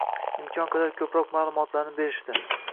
Imkon qadar ko‘proq ma’lumotlarni berishdi.